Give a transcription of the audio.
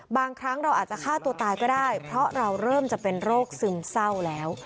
บางครั้งเราอาจจะฆ่าตัวตายก็ได้เพราะเราเริ่มจะเป็นโรคซึมเศร้าแล้ว